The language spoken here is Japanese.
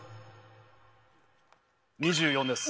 ２４です。